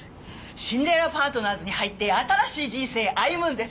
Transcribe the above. シンデレラパートナーズに入って新しい人生歩むんです。